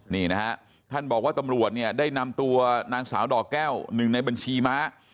นี่นะฮะท่านบอกว่าตำรวจเนี่ยได้นำตัวนางสาวดอกแก้วหนึ่งในบัญชีม้า